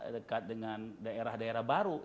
dekat dengan daerah daerah baru